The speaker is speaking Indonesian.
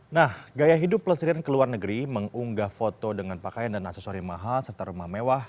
nah gaya hidup pelestrian ke luar negeri mengunggah foto dengan pakaian dan aksesori mahal serta rumah mewah